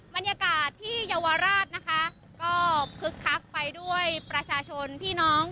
บรรยากาศที่เยาวราชนะคะก็คึกคักไปด้วยประชาชนพี่น้อง